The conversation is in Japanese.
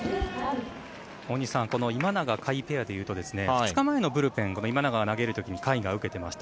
大西さんこの今永・甲斐ペアで言うと２日前のブルペン今永が投げる時に甲斐が受けていました。